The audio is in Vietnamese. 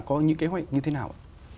có những kế hoạch như thế nào